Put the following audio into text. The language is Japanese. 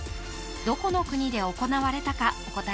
どこの国で行われたかお答え